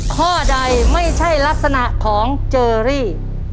ข้อใดไม่ใช่ลักษณะของเจอรี่